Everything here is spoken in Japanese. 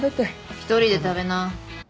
１人で食べな。